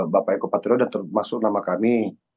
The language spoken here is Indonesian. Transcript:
bapak eko patrio dan termasuk nama kami